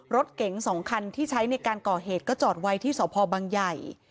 รถเก๋ง๒คันที่ใช้ในการก่อเหตุก็จอดไว้ที่สพบังใหญ่